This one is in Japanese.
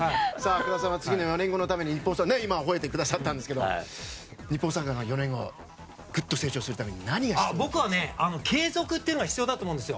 福田さんは次の４年後のために今ほえてくださったんですが日本サッカーの４年後ぐっと成長するためには僕は継続が必要だと思うんですよ。